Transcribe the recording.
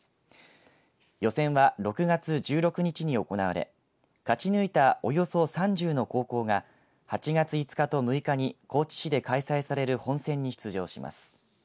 予選は６月１６日に行われ勝ち抜いたおよそ３０の高校が８月５日と６日に高知市で開催される本選に出場します。